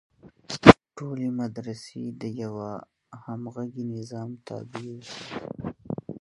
ټولې مدرسې د یوه همغږي نظام تابع اوسي.